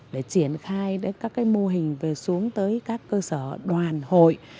để triển khai các mô hình về xuống tới các cơ sở đoàn hội